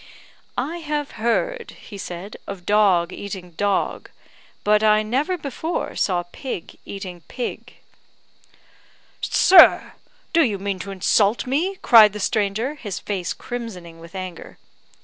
"I have heard," he said, "of dog eating dog, but I never before saw pig eating pig." "Sir! do you mean to insult me?" cried the stranger, his face crimsoning with anger.